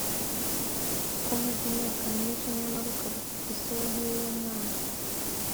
ko umaze imyaka myinshi nyamara ukaba ufite isura nk’iy’umwana